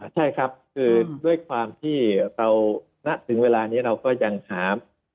ใช่ครับคือด้วยความที่เราณถึงเวลานี้เราก็ยังหา